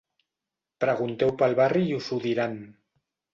Pregunteu pel barri i us ho diran.